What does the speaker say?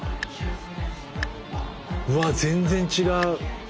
うわ全然違う！